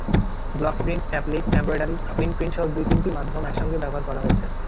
Block print, applique, embroidery, screen প্রিন্টসহ দুই-তিনটি মাধ্যম একসঙ্গে ব্যবহার করা হয়েছে।